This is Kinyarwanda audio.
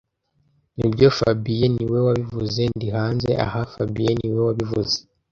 Nibyo fabien niwe wabivuze Ndi hanze aha fabien niwe wabivuze